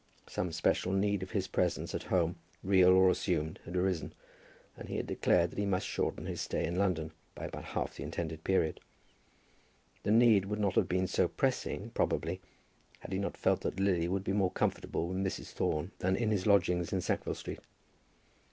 Some special need of his presence at home, real or assumed, had arisen, and he had declared that he must shorten his stay in London by about half the intended period. The need would not have been so pressing, probably, had he not felt that Lily would be more comfortable with Mrs. Thorne than in his lodgings in Sackville Street.